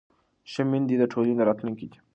ښه میندې د ټولنې راتلونکی دي.